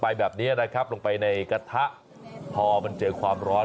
ไปแบบนี้ได้ครับลงไปในกระทาเมื่อเจอความร้อน